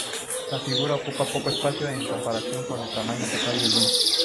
La figura ocupa poco espacio en comparación con el tamaño total del lienzo.